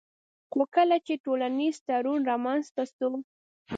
خو کله چي ټولنيز تړون رامنځته سو